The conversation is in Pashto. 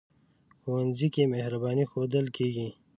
ښوونځی کې مهرباني ښودل کېږي